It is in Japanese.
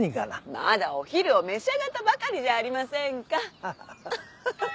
まだお昼を召し上がったばかりじゃありませんか。